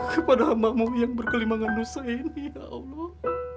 kepada hambamu yang berkelimangan dosa ini ya allah